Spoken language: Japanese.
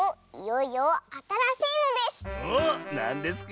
おっなんですか？